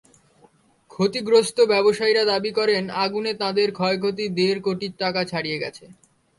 ক্ষতিগ্রস্ত ব্যবসায়ীরা দাবি করেন, আগুনে তাঁদের ক্ষয়ক্ষতি দেড় কোটি টাকা ছাড়িয়ে গেছে।